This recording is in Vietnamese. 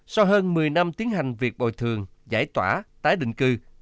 sau hơn một mươi năm tiến hành việc bồi thường giải tỏa tái định cư